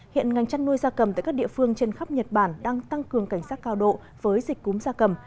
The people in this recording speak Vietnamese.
hiện ngành chăn nuôi gia cầm tại các địa phương trên khắp nhật bản đang tăng cường cảnh sát cao độ với dịch cúm gia cầm